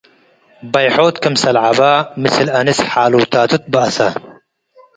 በይሖት ክምሰል ዐበ ምስል አንስ ሓሎታቱ ትበአሰ።